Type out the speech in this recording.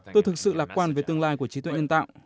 tôi thực sự lạc quan về tương lai của trí tuệ nhân tạo